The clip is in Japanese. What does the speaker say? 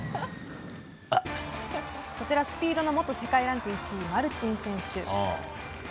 こちら、スピードの元世界ランク１位、マルチン選手。